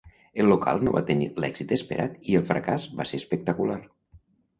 El local no va tenir l'èxit esperat i el fracàs va ser espectacular.